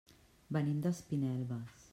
Venim d'Espinelves.